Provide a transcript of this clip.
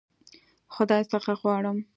خدای څخه غواړم.